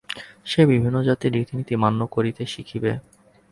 সে বিভিন্ন জাতির রীতিনীতি মান্য করিতে শিখিবে।